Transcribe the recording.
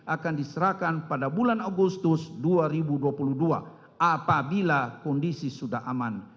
akan diserahkan pada bulan agustus dua ribu dua puluh dua apabila kondisi sudah aman